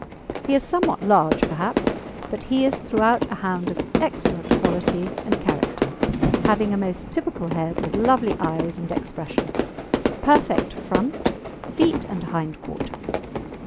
He is somewhat large, perhaps, but he is throughout a hound of excellent quality and character, having a most typical head, with lovely eyes and expression, perfect front, feet and hind quarters.